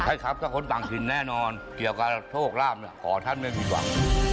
ใช่ครับก็คนต่างถิ่นแน่นอนเกี่ยวกับโชคลาภขอท่านไม่มีหวัง